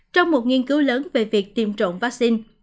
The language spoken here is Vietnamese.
trong một nghiên cứu lớn về việc tiêm trộn vaccine